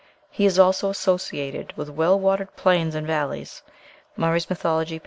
He is also associated with well watered plains and valleys." (Murray's "Mythology," p.